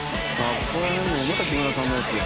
「ここら辺もまた木村さんのやつや」